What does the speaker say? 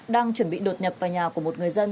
đang chuẩn bị đột nhập vào nhà của một người dân